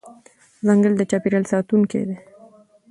ځنګل د چاپېریال ساتونکی دی.